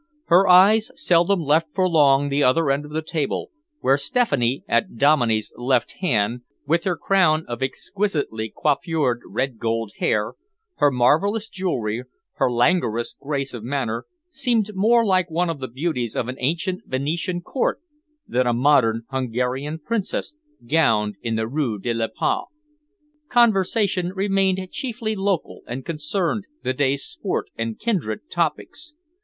Her eyes seldom left for long the other end of the table, where Stephanie, at Dominey's left hand, with her crown of exquisitely coiffured red gold hair, her marvellous jewellery, her languorous grace of manner, seemed more like one of the beauties of an ancient Venetian Court than a modern Hungarian Princess gowned in the Rue de la Paix. Conversation remained chiefly local and concerned the day's sport and kindred topics.